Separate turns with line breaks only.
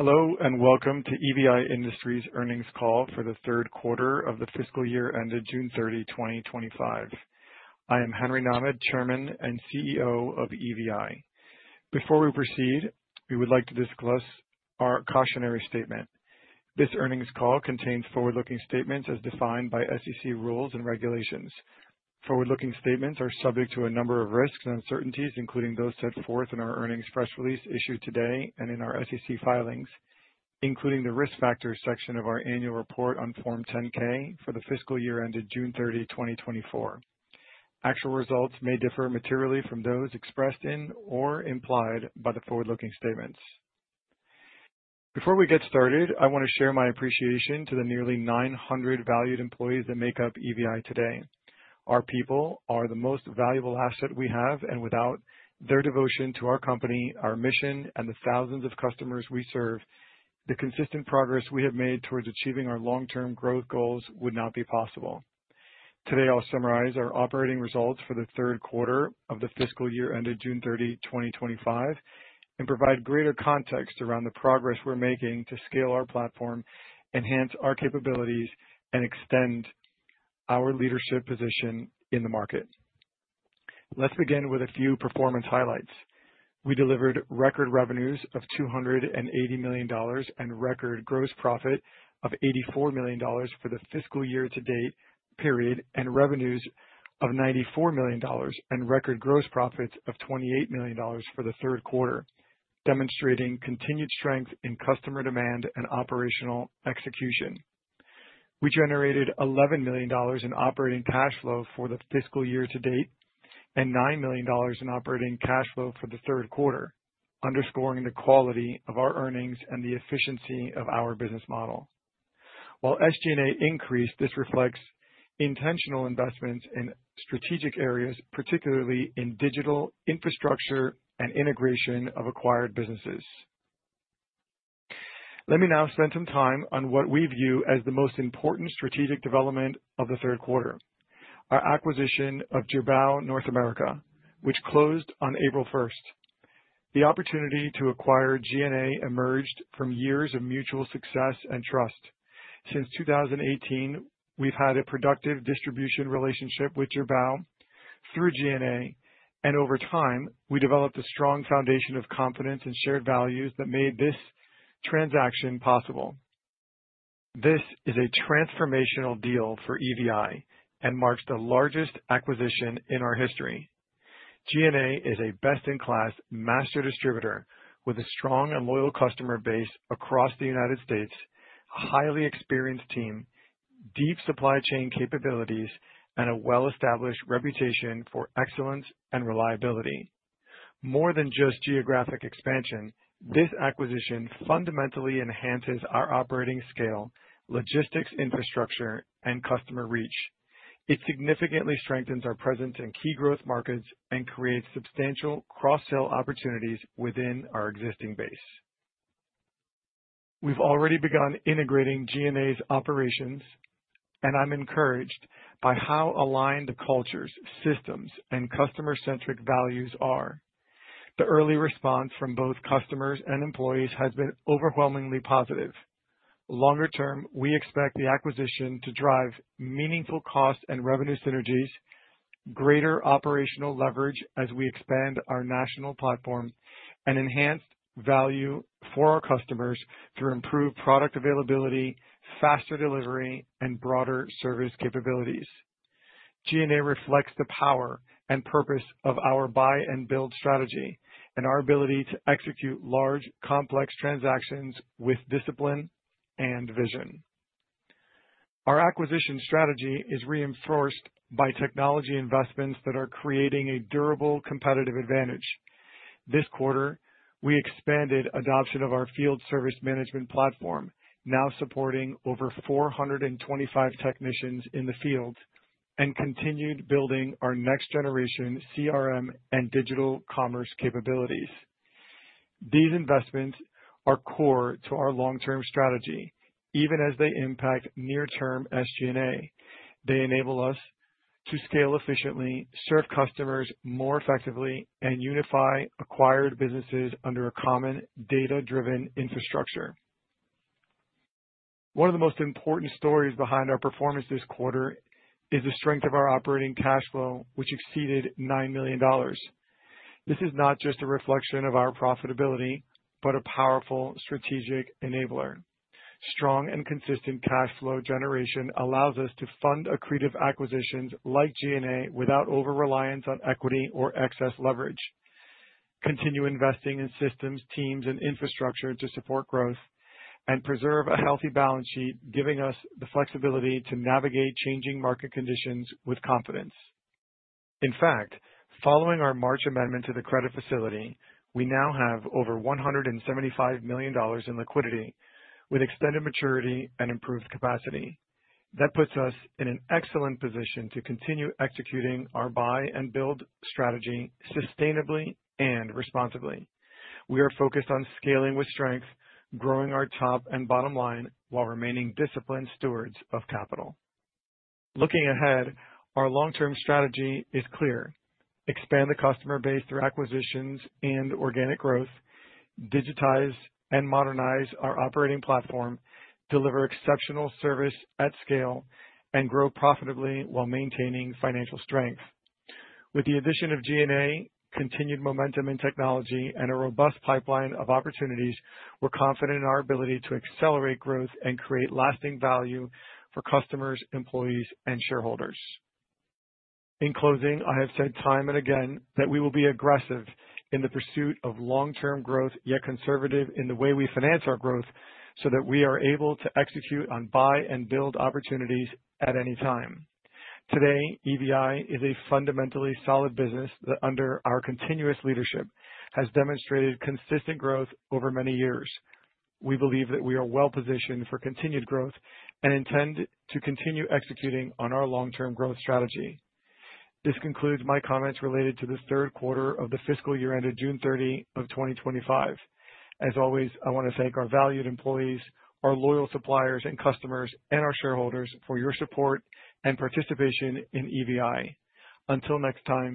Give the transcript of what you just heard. Hello and welcome to EVI Industries' Earnings Call for the third quarter of the fiscal year ended June 30, 2025. I am Henry Nahmad, Chairman and CEO of EVI. Before we proceed, we would like to discuss our cautionary statement. This earnings call contains forward-looking statements as defined by SEC rules and regulations. Forward-looking statements are subject to a number of risks and uncertainties, including those set forth in our earnings press release issued today and in our SEC filings, including the risk factors section of our annual report on Form 10-K for the fiscal year ended June 30, 2024. Actual results may differ materially from those expressed in or implied by the forward-looking statements. Before we get started, I want to share my appreciation to the nearly 900 valued employees that make up EVI today. Our people are the most valuable asset we have, and without their devotion to our company, our mission, and the thousands of customers we serve, the consistent progress we have made towards achieving our long-term growth goals would not be possible. Today, I'll summarize our operating results for the third quarter of the fiscal year ended June 30, 2025, and provide greater context around the progress we're making to scale our platform, enhance our capabilities, and extend our leadership position in the market. Let's begin with a few performance highlights. We delivered record revenues of $280 million and record gross profit of $84 million for the fiscal year to date period, and revenues of $94 million and record gross profits of $28 million for the third quarter, demonstrating continued strength in customer demand and operational execution. We generated $11 million in operating cash flow for the fiscal year to date and $9 million in operating cash flow for the third quarter, underscoring the quality of our earnings and the efficiency of our business model. While SG&A increased, this reflects intentional investments in strategic areas, particularly in digital infrastructure and integration of acquired businesses. Let me now spend some time on what we view as the most important strategic development of the third quarter: our acquisition of Girbau North America, which closed on April 1st, 2025. The opportunity to acquire G&A emerged from years of mutual success and trust. Since 2018, we've had a productive distribution relationship with Girbau through G&A, and over time, we developed a strong foundation of confidence and shared values that made this transaction possible. This is a transformational deal for EVI and marks the largest acquisition in our history. America is a best-in-class master distributor with a strong and loyal customer base across the United States, a highly experienced team, deep supply chain capabilities, and a well-established reputation for excellence and reliability. More than just geographic expansion, this acquisition fundamentally enhances our operating scale, logistics infrastructure, and customer reach. It significantly strengthens our presence in key growth markets and creates substantial cross-sale opportunities within our existing base. We've already begun integrating G&A's operations, and I'm encouraged by how aligned the cultures, systems, and customer-centric values are. The early response from both customers and employees has been overwhelmingly positive. Longer term, we expect the acquisition to drive meaningful cost and revenue synergies, greater operational leverage as we expand our national platform, and enhanced value for our customers through improved product availability, faster delivery, and broader service capabilities. G&A reflects the power and purpose of our buy-and-build strategy and our ability to execute large, complex transactions with discipline and vision. Our acquisition strategy is reinforced by technology investments that are creating a durable competitive advantage. This quarter, we expanded adoption of our field service management platform, now supporting over 425 technicians in the field, and continued building our next-generation CRM and digital commerce capabilities. These investments are core to our long-term strategy, even as they impact near-term SG&A. They enable us to scale efficiently, serve customers more effectively, and unify acquired businesses under a common data-driven infrastructure. One of the most important stories behind our performance this quarter is the strength of our operating cash flow, which exceeded $9 million. This is not just a reflection of our profitability, but a powerful strategic enabler. Strong and consistent cash flow generation allows us to fund accretive acquisitions like G&A without over-reliance on equity or excess leverage, continue investing in systems, teams, and infrastructure to support growth, and preserve a healthy balance sheet, giving us the flexibility to navigate changing market conditions with confidence. In fact, following our March amendment to the credit facility, we now have over $175 million in liquidity, with extended maturity and improved capacity. That puts us in an excellent position to continue executing our buy-and-build strategy sustainably and responsibly. We are focused on scaling with strength, growing our top and bottom line while remaining disciplined stewards of capital. Looking ahead, our long-term strategy is clear: expand the customer base through acquisitions and organic growth, digitize and modernize our operating platform, deliver exceptional service at scale, and grow profitably while maintaining financial strength. With the addition of G&A, continued momentum in technology, and a robust pipeline of opportunities, we're confident in our ability to accelerate growth and create lasting value for customers, employees, and shareholders. In closing, I have said time and again that we will be aggressive in the pursuit of long-term growth, yet conservative in the way we finance our growth so that we are able to execute on buy-and-build opportunities at any time. Today, EVI is a fundamentally solid business that, under our continuous leadership, has demonstrated consistent growth over many years. We believe that we are well-positioned for continued growth and intend to continue executing on our long-term growth strategy. This concludes my comments related to the third quarter of the fiscal year ended June 30 of 2025. As always, I want to thank our valued employees, our loyal suppliers and customers, and our shareholders for your support and participation in EVI. Until next time.